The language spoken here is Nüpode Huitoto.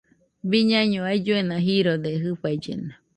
Biñaino ailluena jirode jɨfaillena